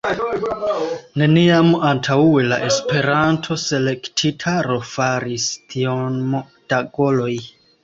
Neniam antaŭe la Esperanto-Selektitaro faris tiom da goloj.